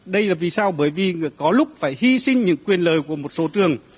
đây là vì sao bởi vì có lúc phải hy sinh những quyền lời của một số trường